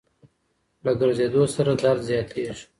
له ګرځېدو سره درد زیاتیږي.